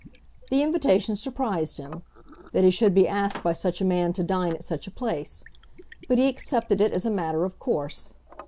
The invitation surprised him, that he should be asked by such a man to dine at such a place, but he accepted it as a matter of course.